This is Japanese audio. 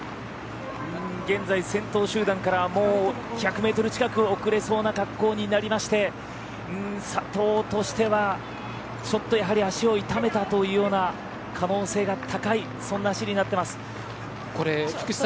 現在、先頭集団からもう１００ｍ近く遅れそうな格好になりまして佐藤としてはちょっとやはり足を痛めたというような可能性が高いそんな走りになってます。